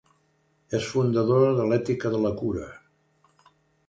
És fundadora de l'ètica de la cura.